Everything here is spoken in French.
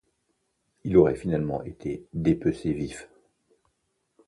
Il aurait finalement été dépecé vif.